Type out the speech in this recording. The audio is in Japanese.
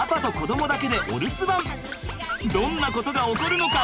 どんなことが起こるのか？